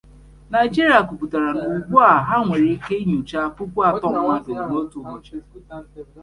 Nigeria kwuputara na ugbu a ha nwere ike ịnyocha puku atọ mmadụ n'otu ụbọchị.